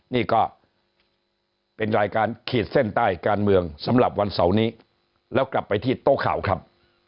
นี่ก็เป็นรายการขีดเส้นใต้การเมืองสำหรับวันเสาร์นี้แล้วกลับไปที่โต๊ะข่าวครับ